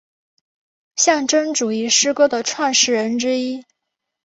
象征主义诗歌的创始人之一。